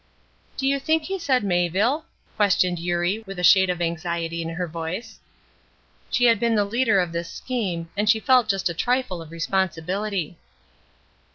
"Do you think he said Mayville?" questioned Eurie with a shade of anxiety in her voice. She had been the leader of this scheme, and she felt just a trifle of responsibility.